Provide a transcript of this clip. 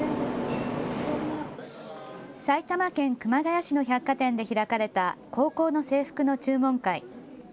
埼玉県熊谷市の百貨店で開かれた高校の制服の注文会。